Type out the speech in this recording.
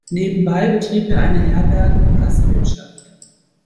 Nebenbei betrieb er eine Herberge mit Gastwirtschaft.